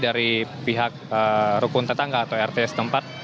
dari pihak rukun tetangga atau rt setempat